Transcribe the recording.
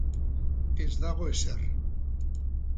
Ez dago ezer.